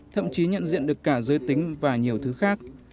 thậm chí nhận diện được cả giới tính và nhiều thứ khác